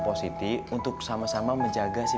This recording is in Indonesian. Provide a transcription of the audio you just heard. pak siti untuk sama sama menjaga si